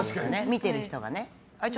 見ている人がね。